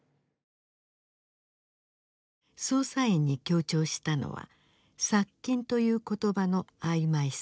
捜査員に強調したのは殺菌という言葉の曖昧さ。